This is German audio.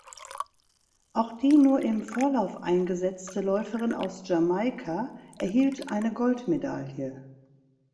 Auch die nur im Vorlauf eingesetzte Läuferin aus Jamaika erhielt eine Goldmedaille.